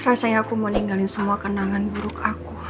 rasanya aku mau ninggalin semua kenangan buruk aku